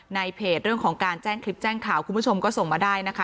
ในเพจเรื่องของการแจ้งคลิปแจ้งข่าวคุณผู้ชมก็ส่งมาได้นะคะ